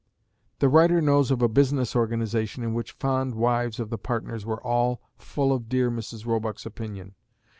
The writer knows of a business organisation in which fond wives of the partners were all full of dear Mrs. Roebuck's opinion.